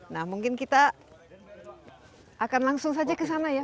nah mungkin kita akan langsung saja ke sana ya